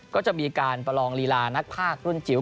ก็จะมีการประลองลีลานักภาครุ่นจิ๋ว